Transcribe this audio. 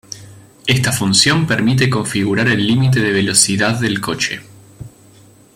Esta función permite configurar el límite de velocidad del coche.